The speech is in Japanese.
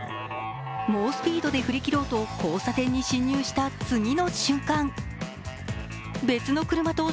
猛スピードで振り切ろうと交差点に進入した次の瞬間